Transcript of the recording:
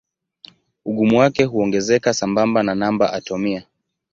Ugumu wake huongezeka sambamba na namba atomia.